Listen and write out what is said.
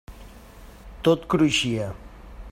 Tot cruixia.